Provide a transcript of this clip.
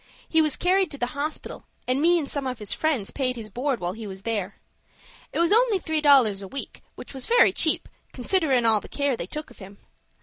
He was carried to the Hospital, and me and some of his friends paid his board while he was there. It was only three dollars a week, which was very cheap, considerin' all the care they took of him.